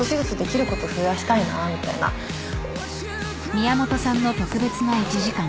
［宮本さんの特別な１時間］